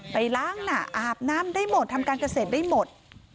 ไปล้างหนาอาบน้ำได้หมดทำการเกษตรได้หมด